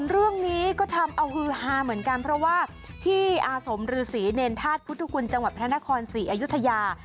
เรื่องนี้ก็ทำเอาฮือฮาเหมือนกันเพราะว่าที่อาสมฤษีเนรธาตุพุทธคุณจังหวัดพระนครศรีอยุธยา